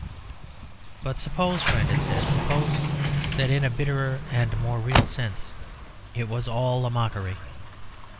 "But suppose, friend," it said, "suppose that, in a bitterer and more real sense, it was all a mockery.